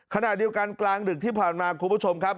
ขณะเดียวกันกลางดึกที่ผ่านมาคุณผู้ชมครับ